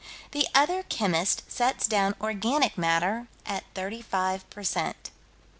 The other chemist sets down organic matter at 35 per cent.